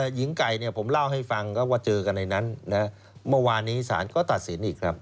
หญิงไก่เนี่ยผมเล่าให้ฟังว่าเจอกันในนั้นเมื่อวานนี้ศาลก็ตัดสินอีกครับ